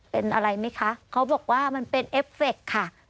เป็นอะไรไหมคะเขาบอกว่ามันเป็นเอฟเฟคค่ะ